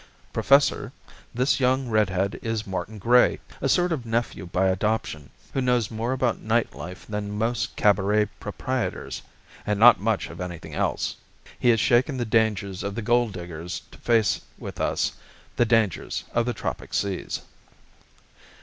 Professor, this young red head is Martin Grey, a sort of nephew by adoption who knows more about night life than most cabaret proprietors and not much of anything else. He has shaken the dangers of the gold diggers to face with us the dangers of the tropic seas."